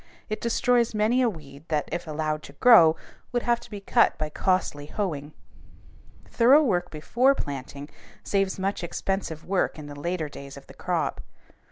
It destroys many a weed that, if allowed to grow, would have to be cut by costly hoeing. Thorough work before planting saves much expensive work in the later days of the crop.